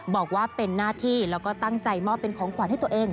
บอกว่าเป็นหน้าที่แล้วก็ตั้งใจมอบเป็นของขวัญให้ตัวเอง